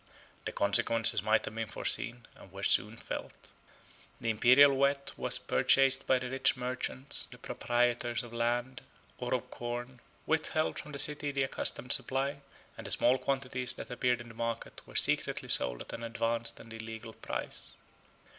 The consequences might have been foreseen, and were soon felt. The Imperial wheat was purchased by the rich merchants; the proprietors of land, or of corn, withheld from the city the accustomed supply; and the small quantities that appeared in the market were secretly sold at an advanced and illegal price.